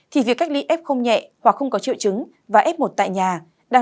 thì việc cách ly f không nhẹ hoặc không có triệu chứng và f một tại nhà